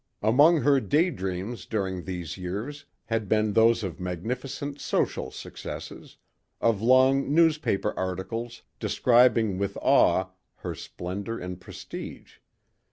Among her day dreams during these years had been those of magnificent social successes, of long newspaper articles describing with awe her splendor and prestige.